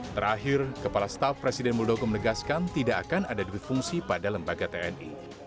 terakhir kepala staf presiden muldoko menegaskan tidak akan ada duit fungsi pada lembaga tni